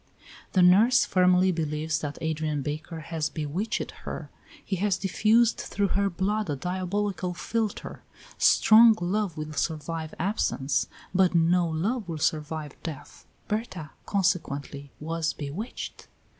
The nurse firmly believes that Adrian Baker has bewitched her; he has diffused through her blood a diabolical philtre. Strong love will survive absence, but no love will survive death. Berta, consequently, was bewitched.